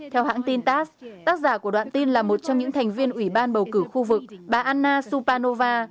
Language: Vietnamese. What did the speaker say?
theo hãng tin tass tác giả của đoạn tin là một trong những thành viên ủy ban bầu cử khu vực bà anna supanova